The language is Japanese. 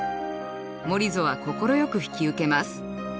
モリゾは快く引き受けます。